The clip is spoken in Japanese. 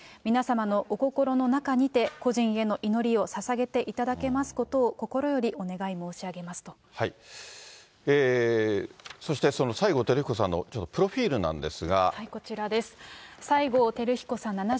皆様のお心の中にて、故人への祈りをささげていただけますことを心よりお願い申し上げそして、その西郷輝彦さんのプロフィールなんですが。